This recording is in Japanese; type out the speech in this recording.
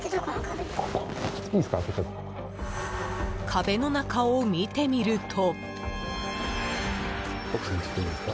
壁の中を見てみると。